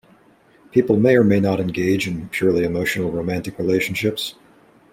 People may or may not engage in purely emotional romantic relationships.